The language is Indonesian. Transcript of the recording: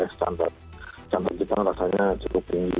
standar kita rasanya cukup tinggi